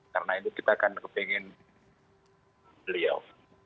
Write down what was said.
karena ini kita akan kepingin beliau